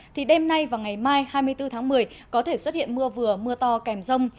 thì đêm nay và ngày mai hai mươi bốn tháng một mươi có thể xuất hiện mưa vừa mưa to kèm rông